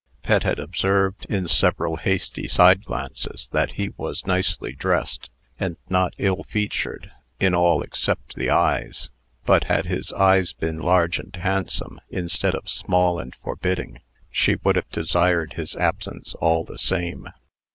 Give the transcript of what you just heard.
Pet had observed, in several hasty side glances, that he was nicely dressed, and not ill featured, in all except the eyes. But had his eyes been large and handsome, instead of small and forbidding, she would have desired his absence all the same.